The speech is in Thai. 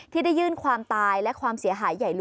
ที่ได้ยื่นความตายและความเสียหายใหญ่